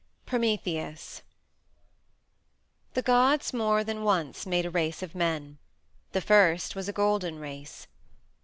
Prometheus The gods more than once made a race of men: the first was a Golden Race.